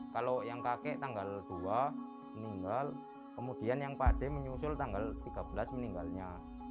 kalau yang kakek tanggal dua meninggal kemudian yang pade menyusul tanggal tiga belas meninggalnya